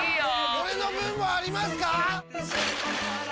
俺の分もありますか！？